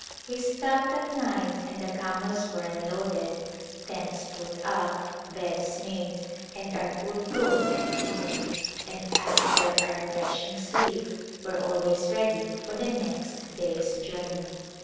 We stopped at night and the camels were unloaded, tents put up, beds made, and our food cooked and eaten, and after a refreshing sleep were always ready for the next day's journey.